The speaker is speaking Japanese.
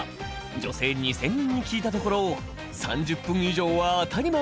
女性２，０００人に聞いたところ３０分以上は当たり前。